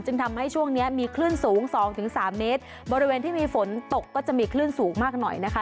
ทำให้ช่วงเนี้ยมีคลื่นสูงสองถึงสามเมตรบริเวณที่มีฝนตกก็จะมีคลื่นสูงมากหน่อยนะคะ